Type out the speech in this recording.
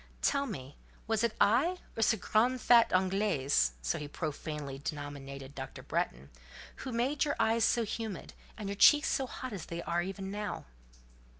Tell me, was it I or ce grand fat d'Anglais" (so he profanely denominated Dr. Bretton), "who made your eyes so humid, and your cheeks so hot as they are even now?"